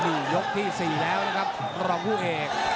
นี่ยกที่๔แล้วนะครับรองผู้เอก